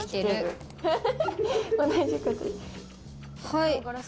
はい。